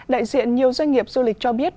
đại diện nhiều doanh nghiệp du lịch cho biết